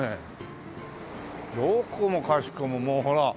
どこもかしこももうほら。